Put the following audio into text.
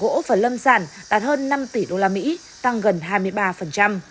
giá trị xuất khẩu thủy sản đạt hơn năm tỷ usd tăng gần hai mươi ba